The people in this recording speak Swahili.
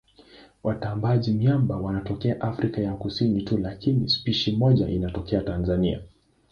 Watambaaji-miamba wanatokea Afrika ya Kusini tu lakini spishi moja inatokea Tanzania.